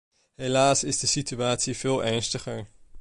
Helaas is de situatie veel ernstiger.